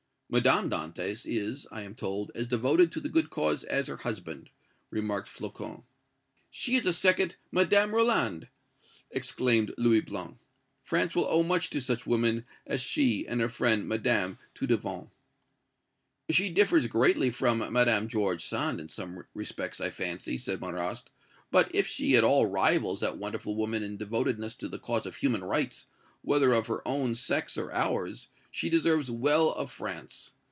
"Madame Dantès is, I am told, as devoted to the good cause as her husband," remarked Flocon. "She is a second Madame Roland!" exclaimed Louis Blanc. "France will owe much to such women as she and her friend Madame Dudevant!" "She differs greatly from Madame George Sand in some respects, I fancy," said Marrast; "but, if she at all rivals that wonderful woman in devotedness to the cause of human rights, whether of her own sex or ours, she deserves well of France.